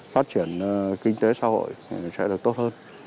phát triển kinh tế xã hội sẽ được tốt hơn